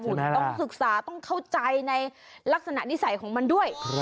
คุณต้องศึกษาต้องเข้าใจในลักษณะนิสัยของมันด้วย